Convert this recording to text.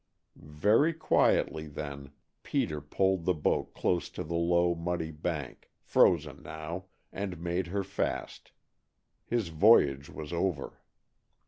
Very quietly, then, Peter poled the boat close to the low, muddy bank frozen now and made her fast. His voyage was over.